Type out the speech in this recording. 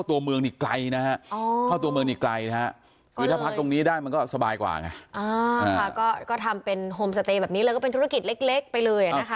หลวมเสียเตยแบบนี้เราก็เป็นธุรกิจเล็กไปเลยอ่ะนะคะ